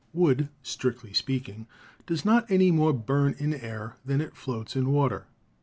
Wood, strictly speaking, does not any more burn in air than it floats in water.